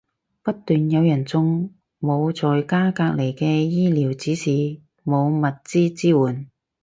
不斷有人中，冇在家隔離嘅醫療指示，冇物資支援